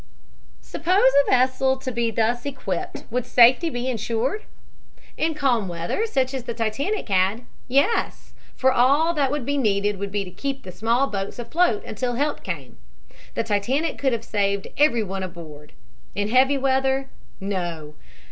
Suppose a vessel to be thus equipped, would safety be insured? In calm weather such as the Titanic had, yes, for all that would be needed would be to keep the small boats afloat until help came. The Titanic could have saved everyone aboard. In heavy weather, no.